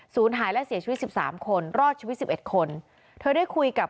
หายและเสียชีวิตสิบสามคนรอดชีวิตสิบเอ็ดคนเธอได้คุยกับ